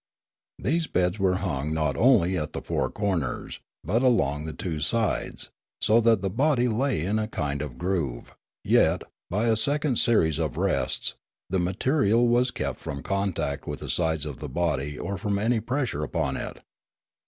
These beds were hung not only at the four corners, but along the two sides, so that the body lay in a kind of groove; yet, by a second series of rests, the material was kept from contact with the sides of the body or from any pressure upon it.